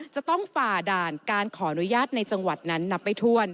จะต้องฝ่าด่านการขออนุญาตในจังหวัดนั้นนับไม่ถ้วน